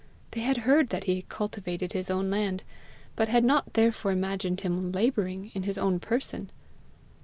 They had heard that he cultivated his own land, but had not therefore imagined him labouring in his own person.